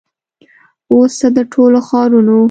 او س د ټولو ښارونو